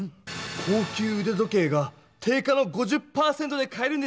高級うで時計が定価の５０％で買えるんですよ！